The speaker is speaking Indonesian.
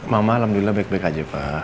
mama alhamdulillah baik baik aja pak